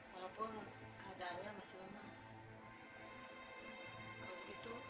walaupun keadaannya masih lemah